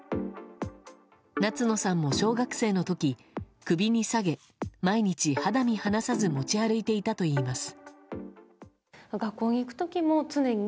夏野さんも小学生の時首にさげ毎日、肌身離さず持ち歩いていたといいます。